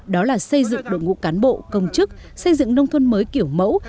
đó là xây dựng đội ngũ cán bộ công chức xây dựng nông thôn mới kiểu mẫu